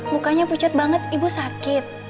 mukanya pucet banget ibu sakit